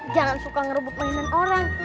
jangan suka ngerebut mainan orang